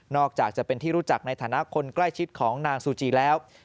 อกจากจะเป็นที่รู้จักในฐานะคนใกล้ชิดของนางซูจีแล้ว